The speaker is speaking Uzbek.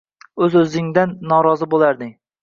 O’z-o’zingdan norozi bo’larding.